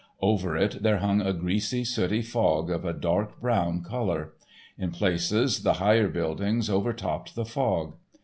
Over it there hung a greasy, sooty fog of a dark brown color. In places the higher buildings over topped the fog.